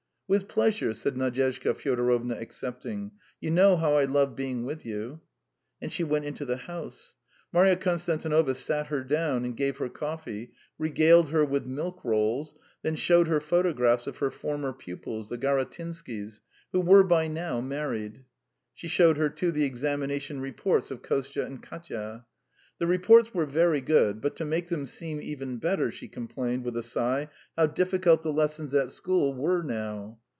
"With pleasure," said Nadyezhda Fyodorovna, accepting. "You know how I love being with you!" And she went into the house. Marya Konstantinovna sat her down and gave her coffee, regaled her with milk rolls, then showed her photographs of her former pupils, the Garatynskys, who were by now married. She showed her, too, the examination reports of Kostya and Katya. The reports were very good, but to make them seem even better, she complained, with a sigh, how difficult the lessons at school were now.